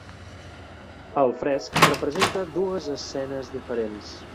El fresc representa dues escenes diferents.